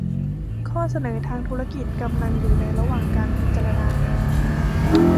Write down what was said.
ข้อเสนอทางธุรกิจกำลังอยู่ในระหว่างการพิจารณา